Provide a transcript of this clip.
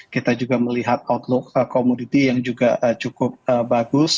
kita juga melihat outlook komoditi yang juga cukup bagus